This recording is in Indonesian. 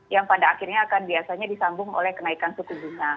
yang pada akhirnya akan biasanya disambung oleh kenaikan suku bunga